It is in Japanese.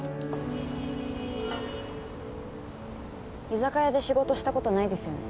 居酒屋で仕事した事ないですよね？